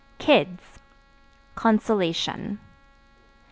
Kids Consolation.